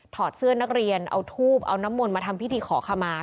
อดเสื้อนักเรียนเอาทูบเอาน้ำมนต์มาทำพิธีขอขมา